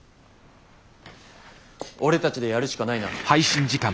俺たちでやるしかないな。